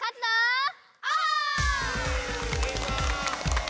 いいぞ！